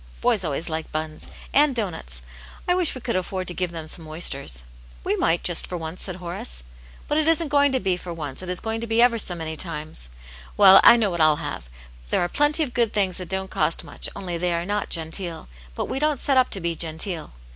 Boys always like buns. And doughnuts. I wish "We could afford to give them some oysters.*' " We might, just for once," said Horace. •'* But it isn't going to be for once; it is going to be ever so many times. Well, I know what 1*11 have. There are plenty of good things that don*t cost much, onlythey are not genteel. But we don't set up to be genteel."